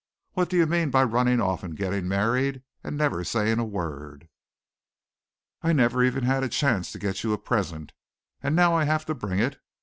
"What do you mean by running off and getting married and never saying a word. I never even had a chance to get you a present and now I have to bring it.